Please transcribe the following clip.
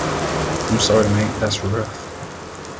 I'm sorry, mate, that's rough.